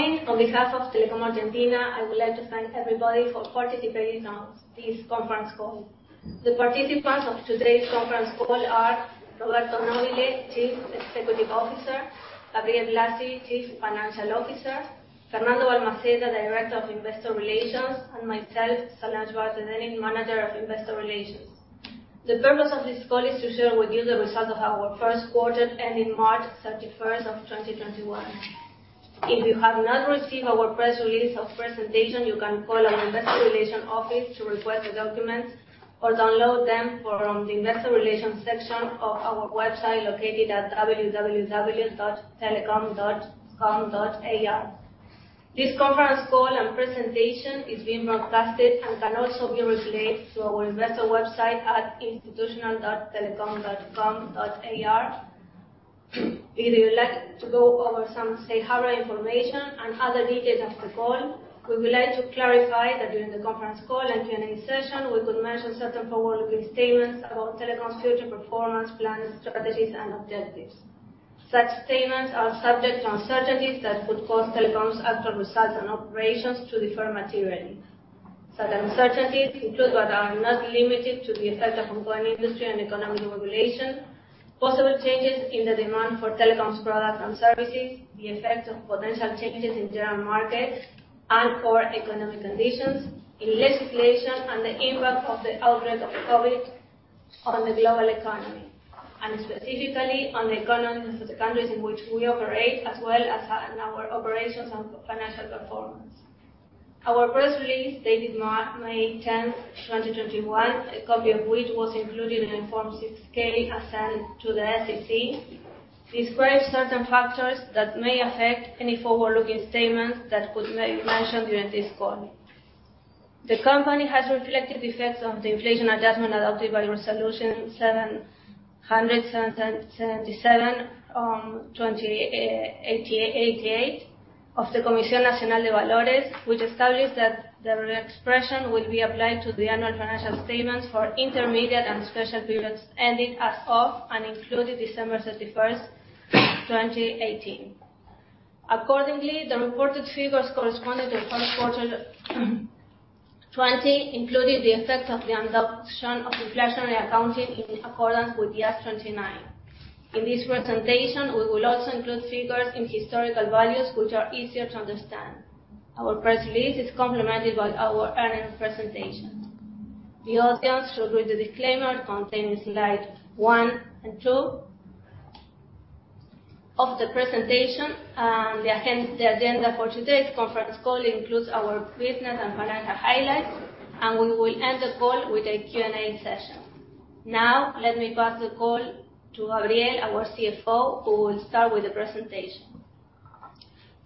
Good morning. On behalf of Telecom Argentina, I would like to thank everybody for participating on this conference call. The participants of today's conference call are Roberto Nóbile, Chief Executive Officer, Gabriel Blasi, Chief Financial Officer, Fernando Balmaceda, Director of Investor Relations, and myself, Solange Barthe Dennin, Manager of Investor Relations. The purpose of this call is to share with you the results of our Q1, ending March 31st, of 2021. If you have not received our press release of presentation, you can call our investor relations office to request the documents or download them from the investor relations section of our website located at www.telecom.com.ar. This conference call and presentation is being broadcasted and can also be replayed through our investor website at institutional.telecom.com.ar. We would like to go over some safe harbor information and other details of the call. We would like to clarify that during the conference call and Q&A session, we could mention certain forward-looking statements about Telecom's future performance, plans, strategies, and objectives. Such statements are subject to uncertainties that could cause Telecom's actual results and operations to differ materially. Such uncertainties include, but are not limited to, the effect of ongoing industry and economic regulation, possible changes in the demand for Telecom's products and services, the effect of potential changes in general markets and/or economic conditions in legislation, and the impact of the outbreak of COVID on the global economy, and specifically on the economies of the countries in which we operate, as well as on our operations and financial performance. Our press release dated May 10th, 2021, a copy of which was included in Form 6-K filed with the SEC, describes certain factors that may affect any forward-looking statements that could be mentioned during this call. The company has reflected the effects of the inflation adjustment adopted by Resolution 777/2018 of the Comisión Nacional de Valores, which established that the reexpression will be applied to the annual financial statements for intermediate and special periods ending as of and including December 31st, 2018. Accordingly, the reported figures corresponding to the Q1 2020 included the effect of the adoption of inflationary accounting in accordance with IAS 29. In this presentation, we will also include figures in historical values, which are easier to understand. Our press release is complemented by our earnings presentation. The audience should read the disclaimer contained in Slides one and two of the presentation. The agenda for today's conference call includes our business and financial highlights. We will end the call with a Q&A session. Let me pass the call to Gabriel, our CFO, who will start with the presentation.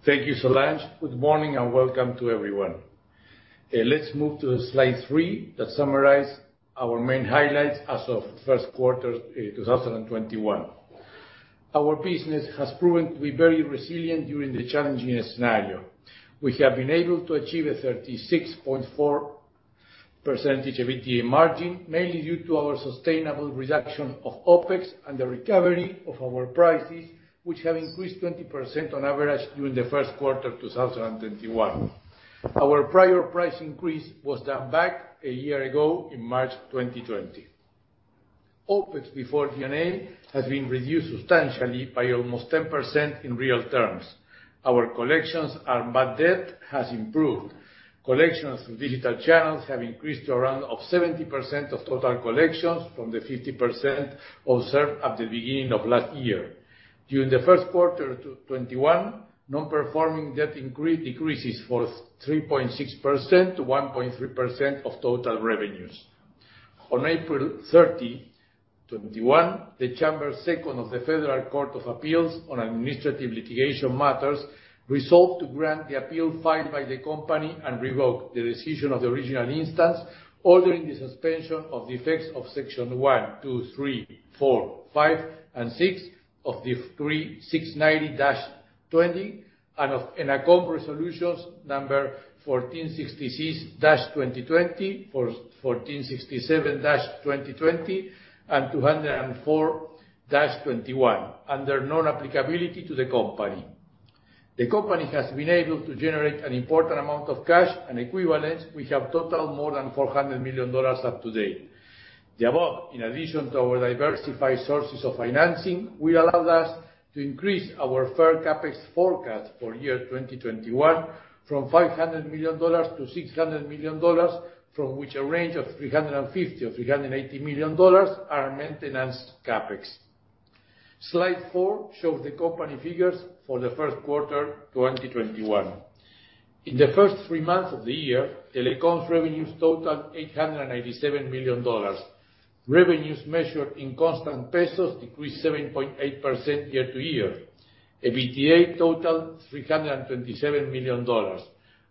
Thank you, Solange. Good morning and welcome to everyone. Let's move to Slide three that summarizes our main highlights as of Q1 2021. Our business has proven to be very resilient during the challenging scenario. We have been able to achieve a 36.4% of EBITDA margin, mainly due to our sustainable reduction of OpEx and the recovery of our prices, which have increased 20% on average during the Q1 of 2021. Our prior price increase was done back a year ago in March 2020. OpEx before G&A has been reduced substantially by almost 10% in real terms. Our collections and bad debt has improved. Collections through digital channels have increased to around 70% of total collections from the 50% observed at the beginning of last year. During the Q1 of 2021, non-performing debt decreases for 3.6% to 1.3% of total revenues. On April 30, 2021, the Chamber Second of the Federal Court of Appeals on administrative litigation matters resolved to grant the appeal filed by the company and revoke the decision of the original instance, ordering the suspension of the effects of Section one, two, three, four, five, and six of Decree 690/20 and of ENACOM resolutions number 1466/2020, 1467/2020, and 204/2021 under non-applicability to the company. The company has been able to generate an important amount of cash and equivalents, which have totaled more than ARS 400 million up to date. The above, in addition to our diversified sources of financing, will allow us to increase our fair CapEx forecast for year 2021 from ARS 500 million to ARS 600 million, from which a range of ARS 350 million or ARS 380 million are maintenance CapEx. Slide 4 shows the company figures for the Q1 2021. In the first three months of the year, Telecom's revenues totaled ARS 897 million. Revenues measured in constant pesos decreased 7.8% year-to-year. EBITDA totaled ARS 327 million.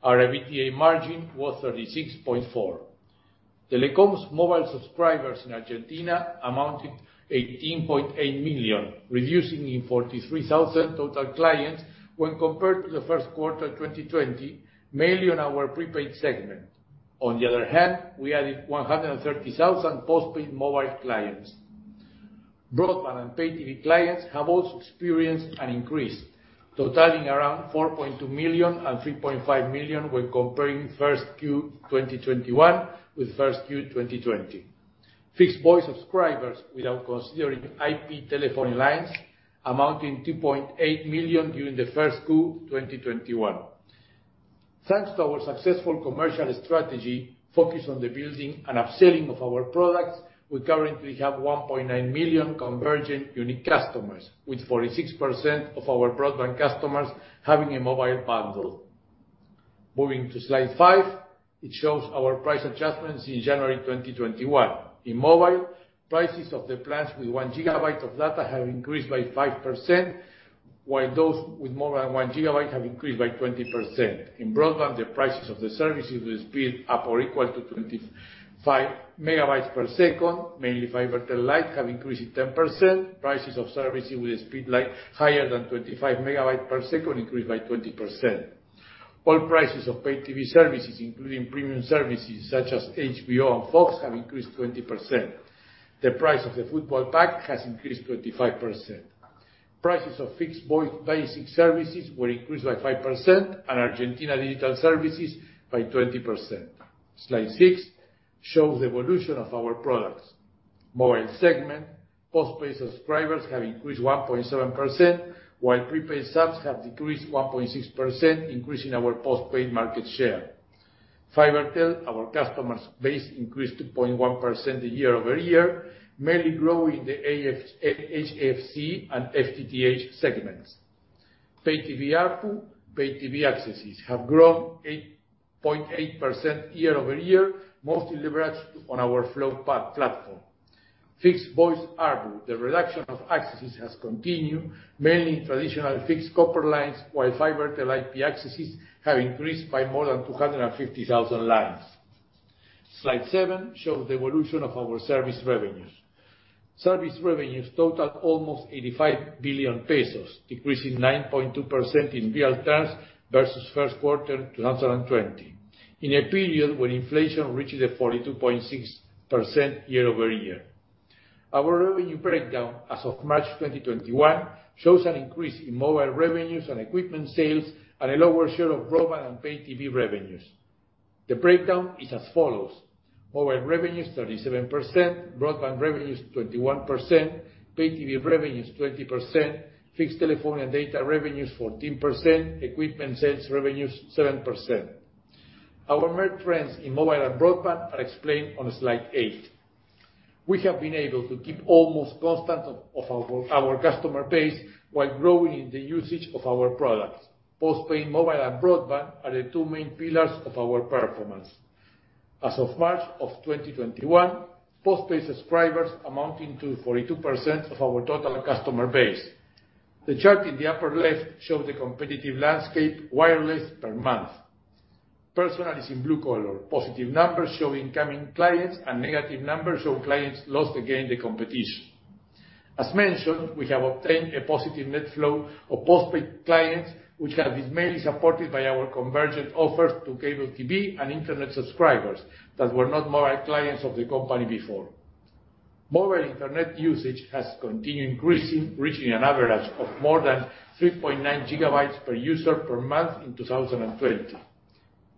Our EBITDA margin was 36.4%. Telecom's mobile subscribers in Argentina amounted 18.8 million, reducing in 43,000 total clients when compared to the Q1 2020, mainly on our prepaid segment. On the other hand, we added 130,000 postpaid mobile clients. Broadband and Pay TV clients have also experienced an increase, totaling around 4.2 million and 3.5 million when comparing Q1 2021 with Q1 2020. Fixed voice subscribers, without considering IP telephone lines, amounting to 2.8 million during Q1 2021. Thanks to our successful commercial strategy focused on the building and upselling of our products, we currently have 1.9 million convergent unique customers, with 46% of our broadband customers having a mobile bundle. Moving to slide five, it shows our price adjustments in January 2021. In mobile, prices of the plans with one GB of data have increased by 5%, while those with more than one GB have increased by 20%. In broadband, the prices of the services with speed up or equal to 25 MB per second, mainly Fibertel Lite, have increased 10%. Prices of services with a speed higher than 25 MB per second increased by 20%. All prices of Pay TV services, including premium services such as HBO and Fox, have increased 20%. The price of the football pack has increased 25%. Prices of fixed voice basic services were increased by 5% and Argentina digital services by 20%. Slide six shows the evolution of our products. Mobile segment, postpaid subscribers have increased 1.7%, while prepaid subs have decreased 1.6%, increasing our postpaid market share. Fibertel, our customer base increased 2.1% year-over-year, mainly growing the HFC and FTTH segments. Pay TV ARPU, Pay TV accesses have grown 8.8% year-over-year, mostly leveraged on our Flow platform. Fixed voice ARPU, the reduction of accesses has continued, mainly in traditional fixed copper lines, while Fibertel IP accesses have increased by more than 250,000 lines. Slide seven shows the evolution of our service revenues. Service revenues total almost 85 billion pesos, decreasing 9.2% in real terms versus Q1 2020, in a period when inflation reached a 42.6% year-over-year. Our revenue breakdown as of March 2021 shows an increase in mobile revenues and equipment sales and a lower share of broadband and Pay TV revenues. The breakdown is as follows. Mobile revenues 37%, broadband revenues 21%, Pay TV revenues 20%, fixed telephone and data revenues 14%, equipment sales revenues 7%. Our main trends in mobile and broadband are explained on slide eight. We have been able to keep almost constant of our customer base while growing the usage of our products. Postpaid mobile and broadband are the two main pillars of our performance. As of March of 2021, postpaid subscribers amounting to 42% of our total customer base. The chart in the upper left shows the competitive landscape wireless per month. Personal is in blue color. Positive numbers show incoming clients and negative numbers show clients lost against the competition. As mentioned, we have obtained a positive net flow of postpaid clients, which have been mainly supported by our convergent offers to cable TV and internet subscribers that were not mobile clients of the company before. Mobile internet usage has continued increasing, reaching an average of more than 3.9 GB per user per month in 2020.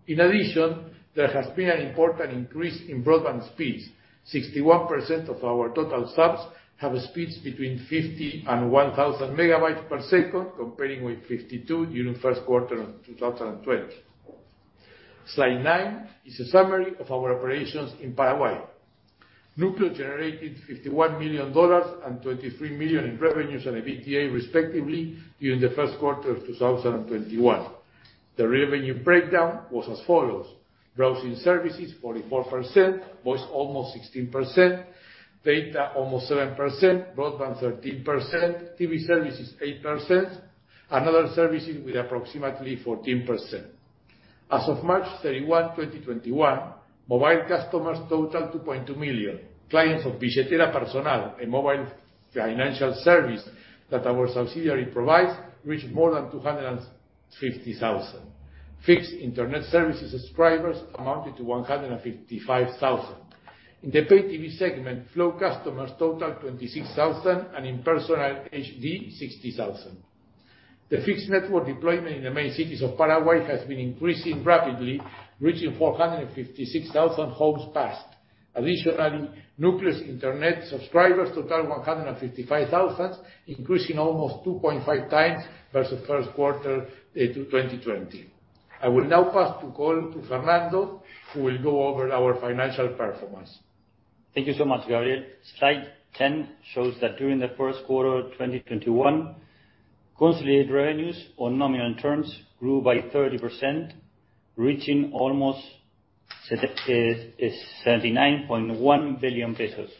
In addition, there has been an important increase in broadband speeds. 61% of our total subs have speeds between 50 and 1,000 Mbps, comparing with 52 during Q1 2020. Slide nine is a summary of our operations in Paraguay. Núcleo generated ARS 51 million and 23 million in revenues and EBITDA, respectively, during Q1 2021. The revenue breakdown was as follows. Browsing services 44%, voice almost 16%, data almost 7%, broadband 13%, TV services 8%, and other services with approximately 14%. As of March 31, 2021, mobile customers totaled 2.2 million. Clients of Personal Pay, a mobile financial service that our subsidiary provides, reached more than 250,000. Fixed internet services subscribers amounted to 155,000. In the Pay TV segment, Flow customers totaled 26,000, and in Personal HD, 16,000. The fixed network deployment in the main cities of Paraguay has been increasing rapidly, reaching 456,000 homes passed. Additionally, Núcleo internet subscribers totaled 155,000, increasing almost 2.5 times versus Q1 2020. I will now pass the call to Fernando, who will go over our financial performance. Thank you so much, Gabriel. Slide 10 shows that during the Q1 of 2021, consolidated revenues on nominal terms grew by 30%, reaching almost 79.1 billion pesos.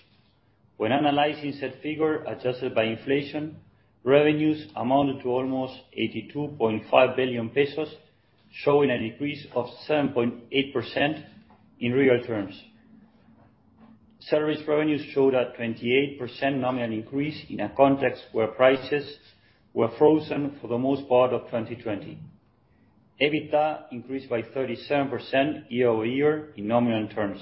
When analyzing said figure adjusted by inflation, revenues amounted to almost 82.5 billion pesos, showing a decrease of 7.8% in real terms. Service revenues showed a 28% nominal increase in a context where prices were frozen for the most part of 2020. EBITDA increased by 37% year-over-year in nominal terms,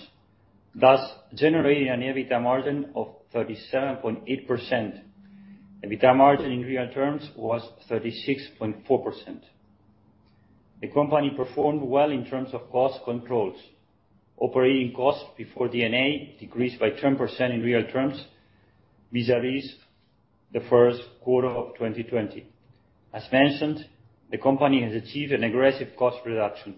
thus generating an EBITDA margin of 37.8%. EBITDA margin in real terms was 36.4%. The company performed well in terms of cost controls. Operating costs before D&A decreased by 10% in real terms vis-à-vis the Q1 of 2020. As mentioned, the company has achieved an aggressive cost reduction.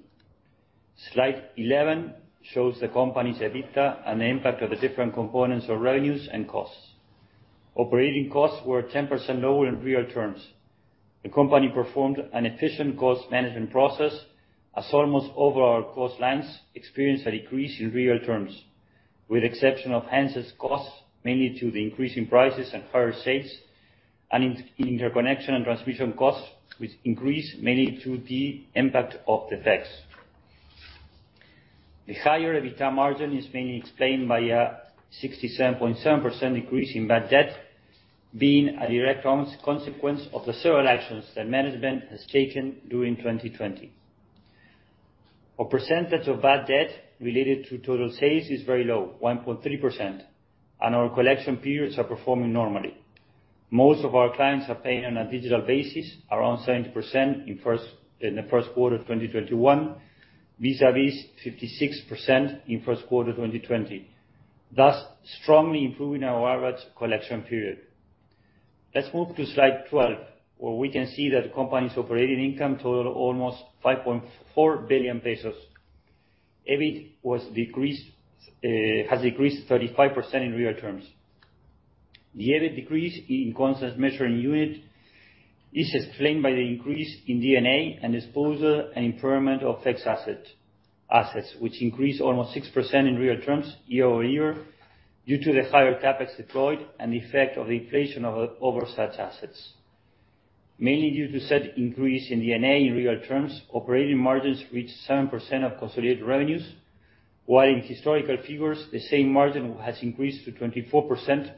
Slide 11 shows the company's EBITDA and the impact of the different components of revenues and costs. Operating costs were 10% lower in real terms. The company performed an efficient cost management process as almost all of our cost lines experienced a decrease in real terms, with exception of other costs mainly to the increase in prices and higher sales, and interconnection and transmission costs, which increased mainly to the impact of the FX. The higher EBITDA margin is mainly explained by a 67.7% decrease in bad debt, being a direct consequence of the several actions that management has taken during 2020. A percentage of bad debt related to total sales is very low, 1.3%, and our collection periods are performing normally. Most of our clients are paying on a digital basis, around 70% in Q1 2021, vis-à-vis 56% in Q1 2020, thus strongly improving our average collection period. Let's move to slide 12, where we can see that the company's operating income totaled almost 5.4 billion pesos. EBIT has decreased 35% in real terms. The EBIT decrease in constant measuring unit is explained by the increase in D&A and disposal and impairment of fixed assets, which increased almost 6% in real terms year over year due to the higher CapEx deployed and the effect of the inflation over such assets. Mainly due to said increase in D&A in real terms, operating margins reached 7% of consolidated revenues, while in historical figures, the same margin has increased to 24%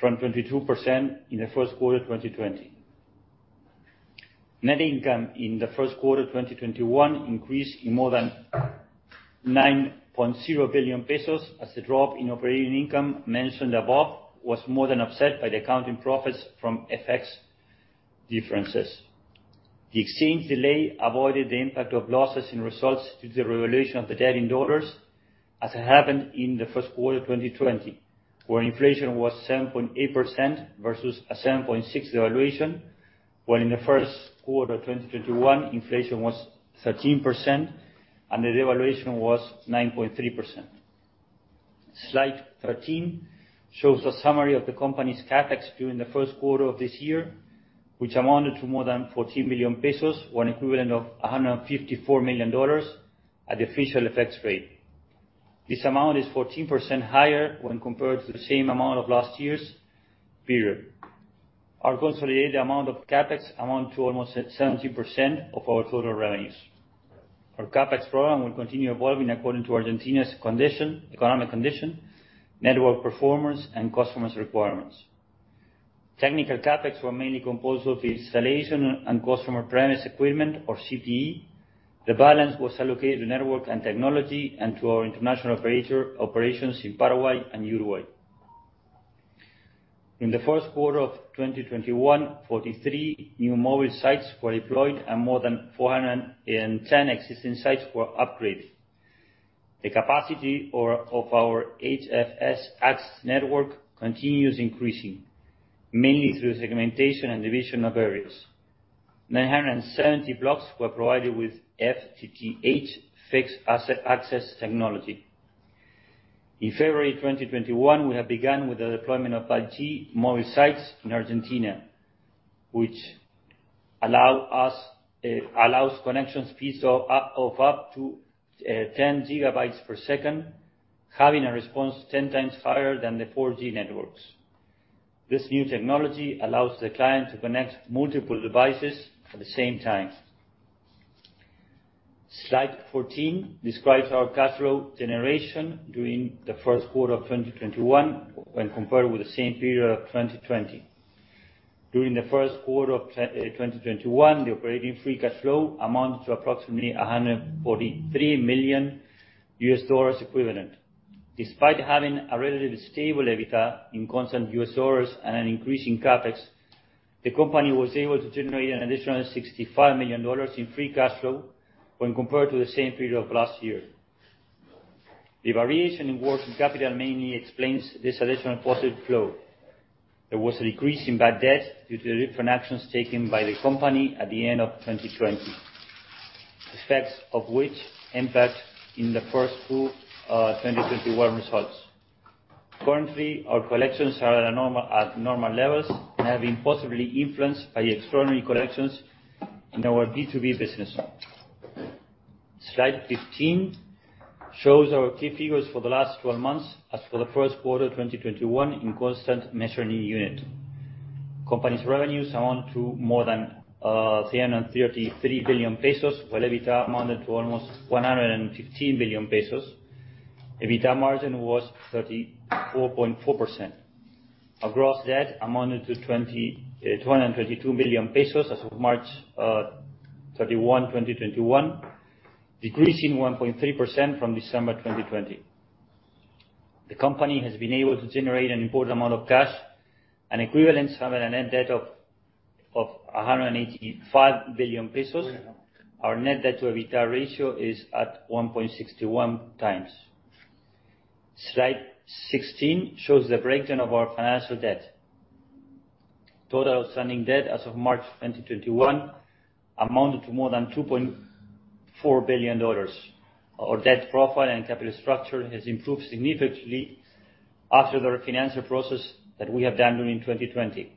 from 22% in the Q1 2020. Net income in the Q1 of 2021 increased in more than 9.0 billion pesos as the drop in operating income mentioned above was more than offset by the accounting profits from FX differences. The exchange delay avoided the impact of losses in results due to the revaluation of the debt in dollars, as happened in the Q1 2020, where inflation was 7.8% versus a 7.6% devaluation, while in the Q1 2021, inflation was 13% and the devaluation was 9.3%. Slide 13 shows a summary of the company's CapEx during the Q1 of this year, which amounted to more than 14 billion pesos, or an equivalent of 154 million dollars at the official FX rate. This amount is 14% higher when compared to the same amount of last year's period. Our consolidated amount of CapEx amount to almost 70% of our total revenues. Our CapEx program will continue evolving according to Argentina's economic condition, network performance, and customers' requirements. Technical CapEx were mainly composed of installation and customer premise equipment or CPE. The balance was allocated to network and technology and to our international operations in Paraguay and Uruguay. In the Q1 of 2021, 43 new mobile sites were deployed and more than 410 existing sites were upgraded. The capacity of our HFC access network continues increasing, mainly through segmentation and division of areas. 970 blocks were provided with FTTH fixed asset access technology. In February 2021, we have begun with the deployment of 5G mobile sites in Argentina, which allows connections speeds of up to 10 GB per second, having a response 10 times higher than the 4G networks. This new technology allows the client to connect multiple devices at the same time. Slide 14 describes our cash flow generation during the Q1 of 2021 when compared with the same period of 2020. During the Q1 of 2021, the operating free cash flow amounted to approximately $143 million equivalent. Despite having a relatively stable EBITDA in constant U.S. dollars and an increase in CapEx, the company was able to generate an additional $65 million in free cash flow when compared to the same period of last year. The variation in working capital mainly explains this additional positive flow. There was a decrease in bad debt due to the different actions taken by the company at the end of 2020, effects of which impact in the first two 2021 results. Currently, our collections are at normal levels and have been possibly influenced by extraordinary collections in our B2B business. Slide 15 shows our key figures for the last 12 months as for the Q1 2021 in constant measuring unit. Company's revenues amount to more than 333 billion pesos, while EBITDA amounted to almost 115 billion pesos. EBITDA margin was 34.4%. Our gross debt amounted to 222 billion pesos as of March 31st, 2021, decreasing 1.3% from December 2020. The company has been able to generate an important amount of cash and equivalents have a net debt of 185 billion pesos. Our net debt to EBITDA ratio is at 1.61 times. Slide 16 shows the breakdown of our financial debt. Total outstanding debt as of March 2021 amounted to more than $2.4 billion. Our debt profile and capital structure has improved significantly after the financial process that we have done during 2020.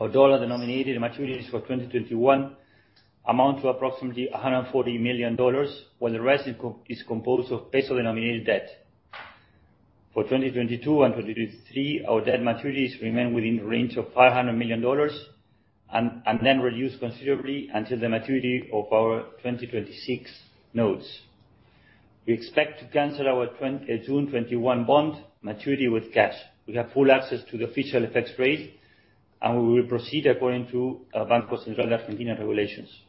Our dollar-denominated maturities for 2021 amount to approximately $140 million, while the rest is composed of ARS-denominated debt. For 2022 and 2023, our debt maturities remain within the range of $500 million and then reduce considerably until the maturity of our 2026 notes. We expect to cancel our June 2021 bond maturity with cash. We have full access to the official FX rate. We will proceed according to Banco Central de la República Argentina regulations.